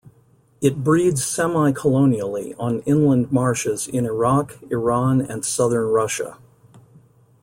It breeds semi-colonially on inland marshes in Iraq, Iran and southern Russia.